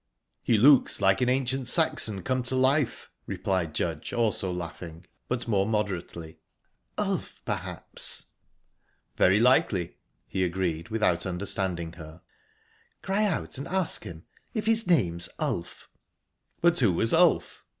"He looks like an ancient Saxon come to life," replied Judge, also laughing, but more moderately. "Ulf, perhaps." "Very likely," he agreed, without understanding her. "Cry out and ask him if his name's Ulf." "But who was Ulf?"